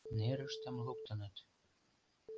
Нерыштым луктыныт.